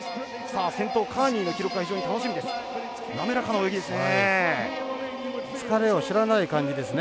先頭、カーニーの記録が非常に楽しみです。